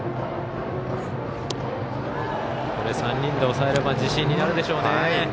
３人で抑えれば自信になるでしょうね。